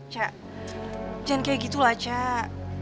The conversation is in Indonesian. cak jangan kayak gitu lah cak